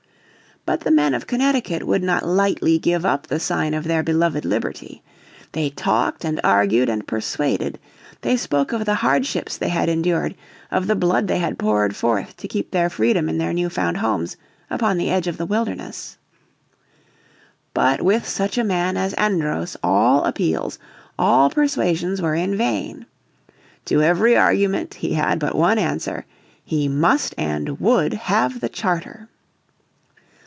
But the men of Connecticut would not lightly give up the sign of their beloved liberty. They talked and argued and persuaded. They spoke of the hardships they had endured, of the blood they had poured forth to keep their freedom in their new found homes, upon the edge of the wilderness. But with such a man as Andros all appeals, all persuasions were in vain. To every argument he had but one answer, he must and would have the charter.